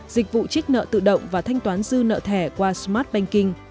dịch vụ trích nợ tự động và thanh toán dư nợ thẻ qua smart banking